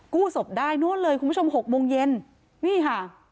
ศพได้นู่นเลยคุณผู้ชมหกโมงเย็นนี่ค่ะ